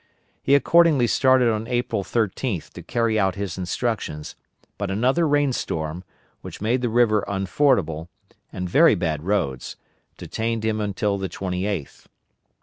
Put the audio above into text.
He accordingly started on April 13th to carry out his instructions, but another rain storm, which made the river unfordable, and very bad roads, detained him until the 28th.